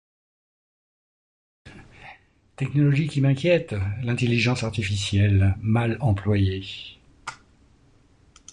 Technologie qui m'inquiète, l'intelligence artificielle. Mal employée.